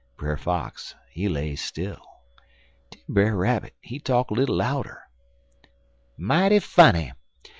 "Brer Fox he stay still. Den Brer Rabbit he talk little louder: "'Mighty funny.